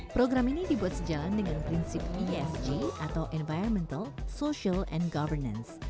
program ini dibuat sejalan dengan prinsip esg atau environmental social and governance